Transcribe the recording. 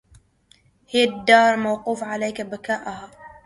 هي الدار موقوف عليك بكاها